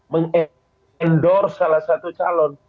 meng endorse salah satu calon